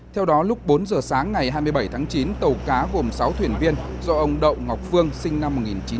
theo đó lúc bốn giờ sáng ngày hai mươi bảy tháng chín tàu cá gồm sáu thuyền viên do ông đậu ngọc phương sinh năm một nghìn chín trăm tám mươi